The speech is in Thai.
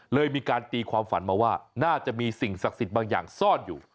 เลยมีการตีความฝันมาว่าน่าจะมีสิ่งศักดิ์สิทธิ์บางอย่างซ่อนอยู่